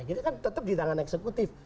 kita kan tetap di tangan eksekutif